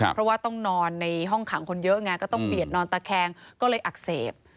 เพราะว่าต้องนอนในห้องขังคนเยอะไงก็ต้องเบียดนอนตะแคงก็เลยอักเสบ